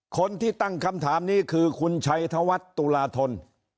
คนที่ตั้งคำถามนี้คือคุณชัยธวัฒน์ตุลาธน